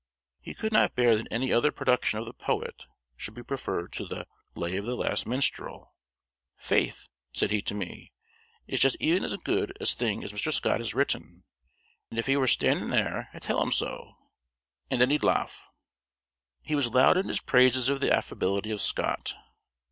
He could not bear that any other production of the poet should be preferred to the "Lay of the Last Minstrel." "Faith," said he to me, "it's just e'en as gude a thing as Mr. Scott has written an' if he were stannin' there I'd tell him so an' then he'd lauff." He was loud in his praises of the affability of Scott.